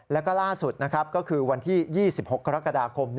แล้วก็ล่าสุดนะครับก็คือวันที่๒๖กรกฎาคม